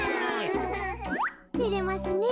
てれますねえ。